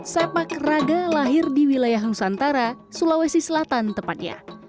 sepak raga lahir di wilayah nusantara sulawesi selatan tepatnya